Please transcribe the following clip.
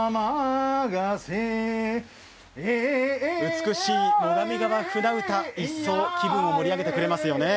美しい「最上川舟唄」一層気分を盛り上げてくれますよね。